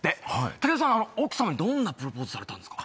武田さん、奥様にどんなプロポーズされたんですか？